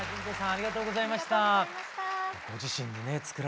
ありがとうございます。